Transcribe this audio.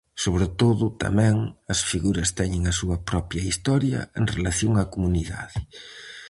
Sobre todo, tamén, as figuras teñen a súa propia historia en relación á comunidade.